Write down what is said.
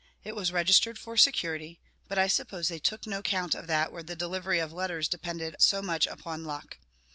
It was registered for security, but I suppose they "took no count" of that where the delivery of letters depended so much upon luck.